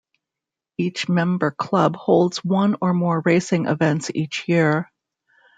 Each member club holds one or more racing events each year.